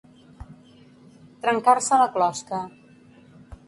Trencar-se la closca.